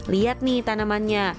lihat nih tanamannya